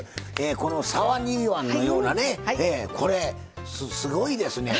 この沢煮椀のようなねこれすごいですね。